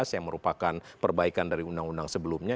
yang merupakan perbaikan dari undang undang sebelumnya